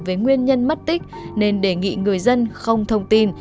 với nguyên nhân mất tích nên đề nghị người dân không thông tin